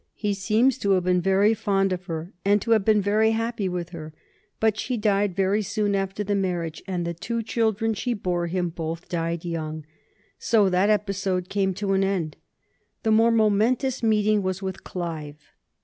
He seem to have been very fond of her, to have been very happy with her, but she died very soon after the marriage, and the two children she bore him both died young, and so that episode came to an end. The more momentous meeting was with Clive.